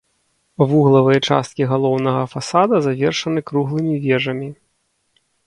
Вуглавыя часткі галоўнага фасада завершаны круглымі вежамі.